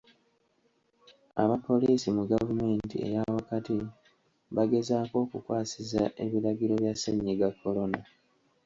Aba poliisi mu gavumenti eyaawakati, bagezaako okukwasisa ebiragiro bya Ssennyiga Korona.